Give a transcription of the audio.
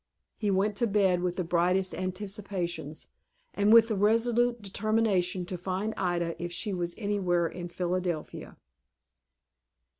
He went to bed with the brightest anticipations, and with the resolute determination to find Ida if she was anywhere in Philadelphia.